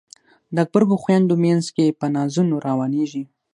د غبرګو خویندو مینځ کې په نازونو روانیږي